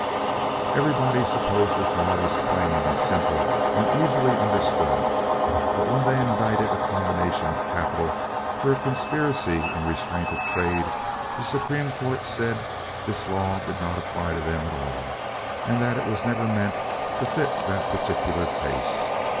Everybody supposed this law was plain and simple and easily understood, but when they indicted a combination of capital for a conspiracy in restraint of trade, the Supreme Court said this law did not apply to them at all; that it was never meant to fit that particular case.